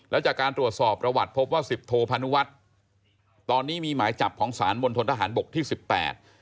แล้วจากการตรวจสอบประวัติพบว่าสิบโทพานุวัฒน์ตอนนี้มีหมายจับของสารมณฑนทหารบกที่สิบแปด